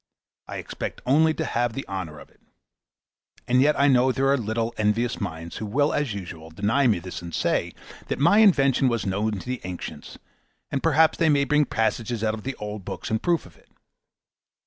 I expect only to have the honour of it. And yet I know there are little, envious minds, who will, as usual, deny me this and say, that my invention was known to the ancients, and perhaps they may bring passages out of the old books in proof of it.